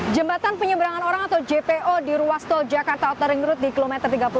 jembatan penyeberangan orang atau jpo di ruastol jakarta otaringrut di kilometer tiga puluh empat